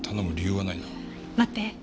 待って。